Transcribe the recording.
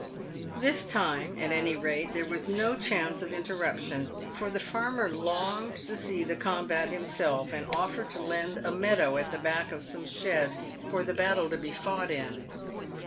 This time, at any rate, there was no chance of in terruption, for the farmer longed to see the combat himself, and offered to lend a meadow at the back of some sheds for the battle to be fought in.